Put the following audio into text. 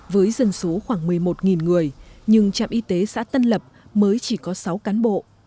với dân số khoảng một mươi một người nhưng trạm y tế xã tân lập mới chỉ có sáu cán bộ